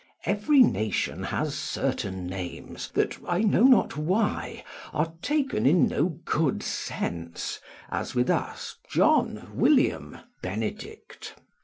Every nation has certain names, that, I know not why, are taken in no good sense, as with us, John, William, Benedict.